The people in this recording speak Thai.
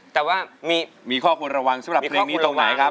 แต่ว่ามีข้อควรระวังสำหรับเพลงนี้ตรงไหนครับ